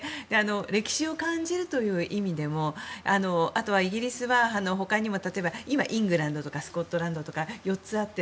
歴史を感じるという意味でもあとはイギリスは他にも今イングランドとかスコットランドとか４つあって。